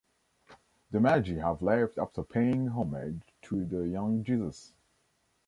The magi have left after paying homage to the young Jesus.